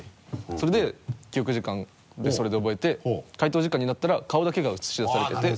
それで記憶時間でそれで覚えて回答時間になったら顔だけが映し出されてて。